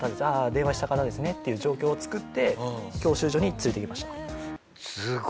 「ああ電話した方ですね」っていう状況を作って教習所に連れていきました。